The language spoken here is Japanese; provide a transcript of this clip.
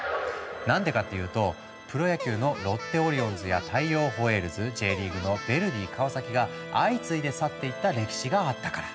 何でかっていうとプロ野球のロッテオリオンズや大洋ホエールズＪリーグのヴェルディ川崎が相次いで去っていった歴史があったから。